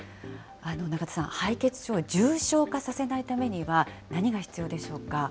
中田さん、敗血症を重症化させないためには、何が必要でしょうか。